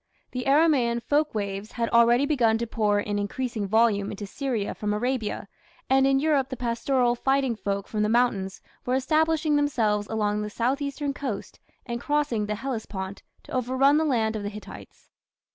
The Aramaean folk waves had already begun to pour in increasing volume into Syria from Arabia, and in Europe the pastoral fighting folk from the mountains were establishing themselves along the south eastern coast and crossing the Hellespont to overrun the land of the Hittites.